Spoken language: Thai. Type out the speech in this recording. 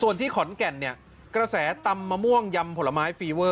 ส่วนที่ขอนแก่นเนี่ยกระแสตำมะม่วงยำผลไม้ฟีเวอร์